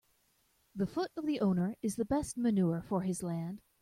The foot of the owner is the best manure for his land.